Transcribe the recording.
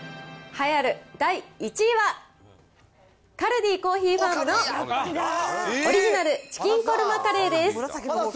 栄えある第１位は、カルディコーヒーファームの、オリジナルチキンコルマカレーです。